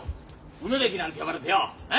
梅関なんて呼ばれてよえ！